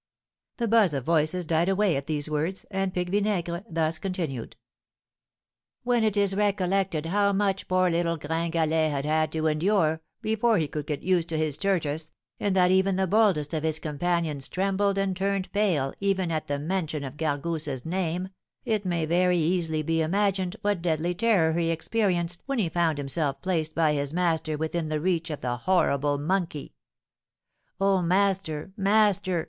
The buzz of voices died away at these words, and Pique Vinaigre thus continued: "When it is recollected how much poor little Gringalet had had to endure before he could get used to his tortoise, and that even the boldest of his companions trembled and turned pale even at the mention of Gargousse's name, it may very easily be imagined what deadly terror he experienced when he found himself placed by his master within the reach of the horrible monkey. 'Oh, master, master!'